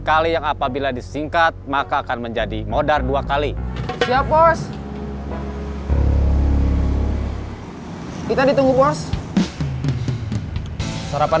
kali yang apabila disingkat maka akan menjadi modal dua kali siap pos kita ditunggu pos sarapan